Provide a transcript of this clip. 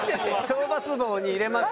懲罰房に入れますよ！